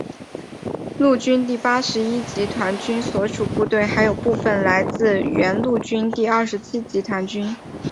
陆军第八十一集团军所属部队还有部分来自原陆军第二十七集团军。